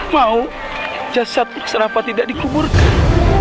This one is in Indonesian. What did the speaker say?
mau jasad fix rafa tidak dikuburkan